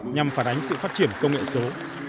nhằm phản ánh sự phát triển công nghệ số